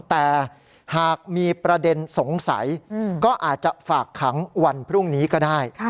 แต่หากมีประเด็นสงสัยก็อาจจะฝากขังวันพรุ่งนี้ก็ได้